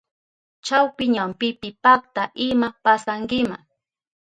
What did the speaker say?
Chawpi ñampipi pakta ima pasankima.